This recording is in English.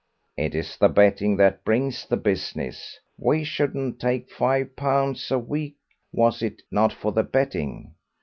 "It is the betting that brings the business; we shouldn't take five pounds a week was it not for the betting.